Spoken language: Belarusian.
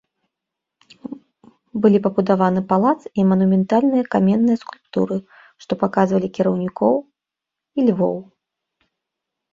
Былі пабудаваны палац і манументальныя каменныя скульптуры, што паказвалі кіраўнікоў і львоў.